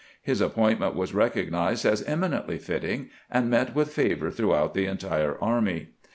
His appointment was recognized as eminently fitting, and met with favor throughout the entire army.